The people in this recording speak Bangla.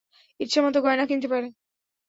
ইচ্ছামত গয়না কিনতে পারে।